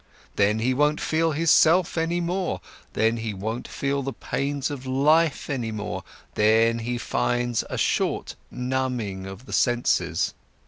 Then he won't feel his self any more, then he won't feel the pains of life any more, then he finds a short numbing of the senses.